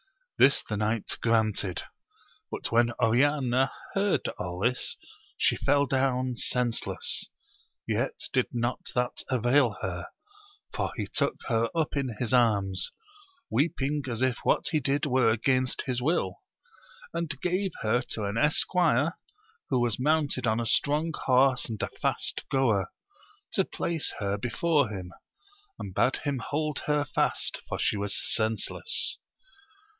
This the knight granted. But when Oriana heard all this, she fell down sense less ; yet did not that avail her, for he took her up in his arms, weeping as if what he rdid were against his will, and gave her to an esquire who was mounted on a strong horse and a fast goer, to place her before him, and bade him hold her fast, for she was senseless.